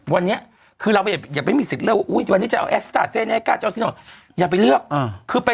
วันนี้คือเราอย่าไปไม่มีสิทธิ์เลือกว่า